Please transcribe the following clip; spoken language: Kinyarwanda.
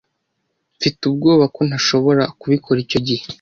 Mfite ubwoba ko ntashobora kubikora icyo gihe.